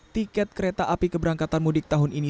tiket kereta api keberangkatan mudik tahun ini